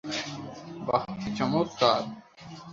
বাহ, কী চমৎকার!